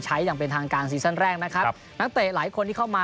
อย่างเป็นทางการซีซั่นแรกนะครับนักเตะหลายคนที่เข้ามา